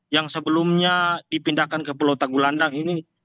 yang sebelumnya dipindahkan ke pulau tanggulandang ini